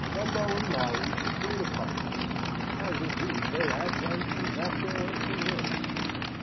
Gumbo and Molly should wait upon us (as indeed they have done from that day until this).